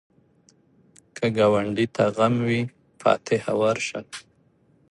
که ګاونډي ته غم وي، فاتحه ورشه